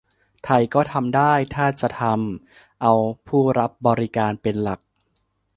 ไทยก็ทำได้ ถ้าจะทำ เอาผู้รับบริการเป็นหลัก